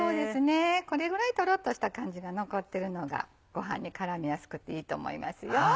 これぐらいトロっとした感じが残ってるのがご飯に絡みやすくていいと思いますよ。